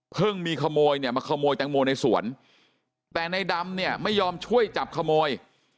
มีขโมยเนี่ยมาขโมยแตงโมในสวนแต่ในดำเนี่ยไม่ยอมช่วยจับขโมย